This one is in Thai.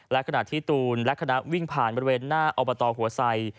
และขณะที่ตูนและคณะวิ่งผ่านบริเวณหน้าอบตหัวไส